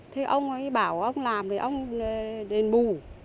thế ông ấy bảo ông ấy làm thì ông ấy đền bù